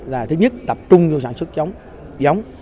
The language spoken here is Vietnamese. là thứ nhất tập trung vào sản xuất giống